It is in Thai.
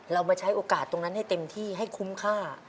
เรามาใช้โอกาสตรงนั้นให้เต็มที่ให้คุ้มค่า